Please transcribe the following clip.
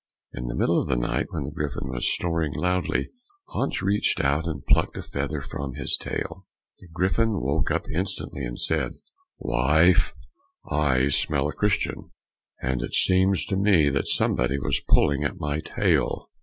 In the middle of the night when the Griffin was snoring loudly, Hans reached out and plucked a feather from his tail. The Griffin woke up instantly, and said, "Wife, I smell a Christian, and it seems to me that somebody was pulling at my tail."